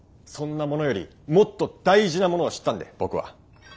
そんなものよりもっと大事なものを知ったんで僕は。